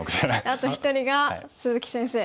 あと１人が鈴木先生。